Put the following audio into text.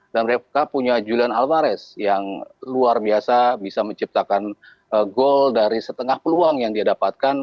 dan mereka punya julian alvarez yang luar biasa bisa menciptakan gol dari setengah peluang yang dia dapatkan